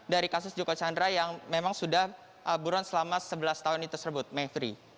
dari kasus joko chandra yang memang sudah buron selama sebelas tahun itu tersebut mevri